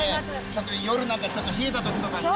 ちょっと夜なんか冷えた時とかにね。